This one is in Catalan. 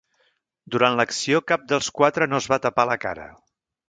Durant l’acció cap dels quatre no es va tapar la cara.